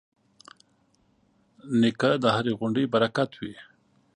نیکه د هرې غونډې برکت وي.